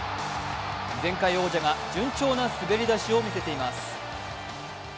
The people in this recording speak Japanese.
前回王者が順調な滑り出しを見せています。